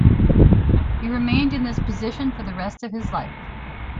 He remained in this position for the rest of his life.